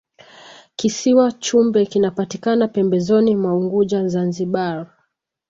kisiwa chumbe kinapatikana pembezoni mwa unguja zanzibar